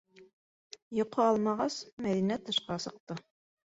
Йоҡо алмағас, Мәҙинә тышҡа сыҡты.